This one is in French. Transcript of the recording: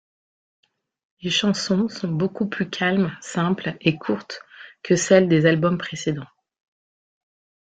Les chansons sont beaucoup plus calmes, simples et courtes que celles des albums précédents.